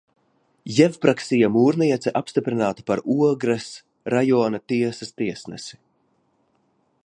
Jevpraksija Mūrniece apstiprināta par Ogres rajona tiesas tiesnesi.